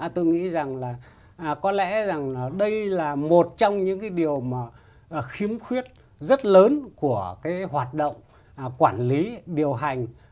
tôi nghĩ rằng là có lẽ rằng đây là một trong những cái điều mà khiếm khuyết rất lớn của cái hoạt động quản lý điều hành